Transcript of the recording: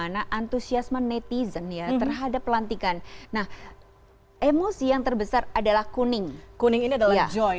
nah antusiasme netizen ya terhadap pelantikan nah emosi yang terbesar adalah kuning kuning ini adalah joy